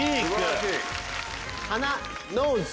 「鼻」ノーズ。